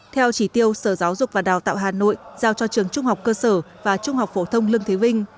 theo chỉ tiêu sở giáo dục và đào tạo hà nội giao cho trường trung học cơ sở và trung học phổ thông lương thế vinh